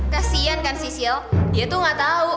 kasian kan sisiil dia tuh gak tau